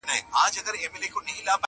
ترې به سترگه ايستل كېږي په سيخونو-